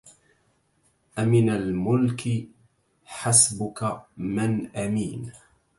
أمن الملك حسبك من أمين